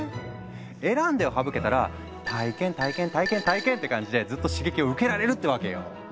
「選んで」を省けたら「体験」「体験」「体験」「体験」って感じでずっと刺激を受けられるってわけよ。